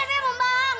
bu silvi membohong